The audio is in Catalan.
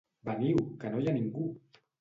-Veniu, que no hi ha ningú!